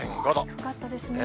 低かったですね。